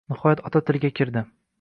Nihoyat, ota tilga kirdi